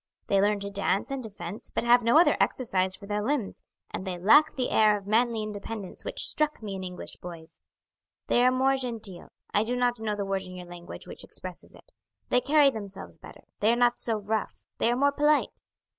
They learn to dance and to fence, but have no other exercise for their limbs, and they lack the air of manly independence which struck me in English boys. They are more gentil I do not know the word in your language which expresses it they carry themselves better; they are not so rough; they are more polite.